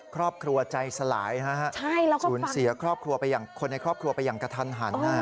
ครอบครัวใจสลายครับทุนเสียคนในครอบครัวไปอย่างกระทันหัน